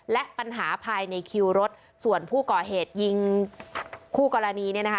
และปัญหาภายในคิวรถส่วนผู้ก่อเหตุยิงคู่กรณีเนี่ยนะคะ